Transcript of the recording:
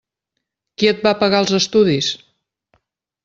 Qui et va pagar els estudis?